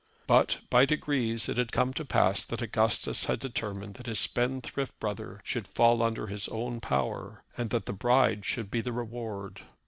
But by degrees it had come to pass that Augustus had determined that his spendthrift brother should fall under his own power, and that the bride should be the reward.